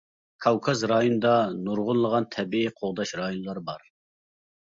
كاۋكاز رايونىدا نۇرغۇنلىغان تەبىئىي قوغداش رايونلىرى بار.